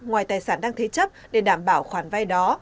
ngoài tài sản đang thế chấp để đảm bảo khoản vay đó